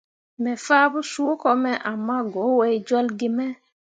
Me fah mo suuko me ama go wai jolle ge me.